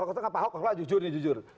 kalau kata pak ahok pak ahok jujur nih jujur